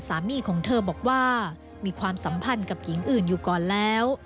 สามีของเธอบอกว่ามีความสัมพันธ์กับหญิงอื่นอยู่ก่อนแล้ว